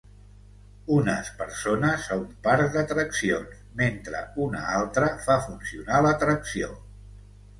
Unes persones a un parc d'atraccions mentre una altra fa funcionar l'atracció.